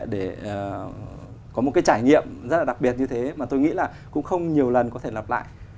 để có một cái trải nghiệm rất là đặc biệt như thế mà tôi nghĩ là cũng không nhiều lần có thể lặp lại